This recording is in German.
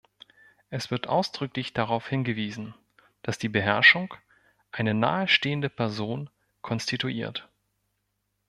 Es wird ausdrücklich darauf hingewiesen, dass die Beherrschung eine nahestehende Person konstituiert.